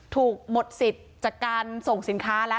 หมดสิทธิ์จากการส่งสินค้าแล้ว